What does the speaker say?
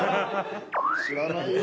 「知らないよ。